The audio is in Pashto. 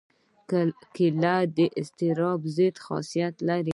کېله د اضطراب ضد خاصیت لري.